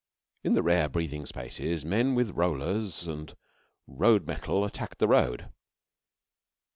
In the rare breathing spaces men with rollers and road metal attacked the road.